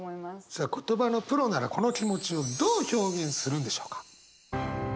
さあ言葉のプロならこの気持ちをどう表現するんでしょうか。